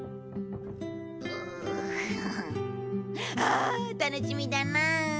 あ楽しみだな！